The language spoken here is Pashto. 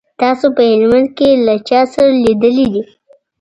تاسو په هلمند کي له چا سره لیدلي دي؟